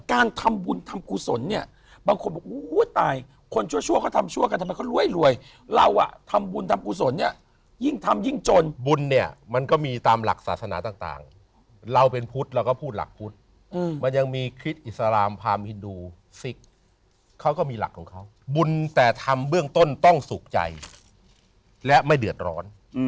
การทำบุญทำคุณสน